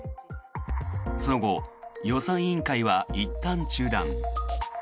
その後、予算委員会はいったん中断。